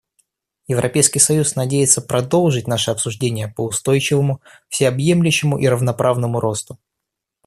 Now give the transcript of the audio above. Европейский союз надеется продолжить наши обсуждения по устойчивому, всеобъемлющему и равноправному росту.